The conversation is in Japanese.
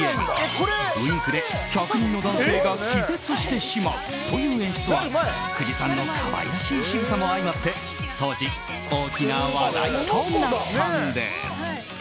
ウインクで１００人の男性が気絶してしまうという演出は久慈さんの可愛らしいしぐさも相まって当時、大きな話題となったんです。